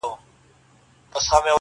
• ته به راځې او زه به تللی یمه -